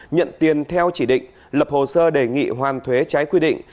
nhận tiền theo chỉ định lập hồ sơ đề nghị hoàn thuế trái quy định